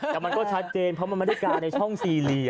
แต่มันก็ชัดเจนเพราะมันไม่ได้การในช่องซีเรีย